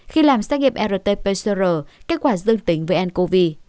khi làm xét nghiệm rt pcr kết quả dương tính với ncov